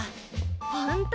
ホント！